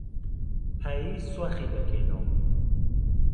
پاییز سواخی دهکهینۆ